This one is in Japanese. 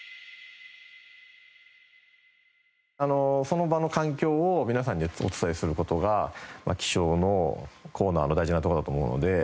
その場の環境を皆さんにお伝えする事が気象のコーナーの大事なとこだと思うので。